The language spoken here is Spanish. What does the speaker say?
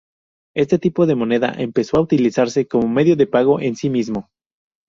Este tipo de "moneda" empezó a utilizarse como medio de pago en sí mismo.